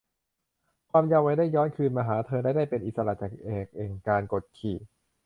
ความเยาว์วัยได้ย้อนคืนมาหาเธอและได้เป็นอิสระจากแอกแห่งการกดขี่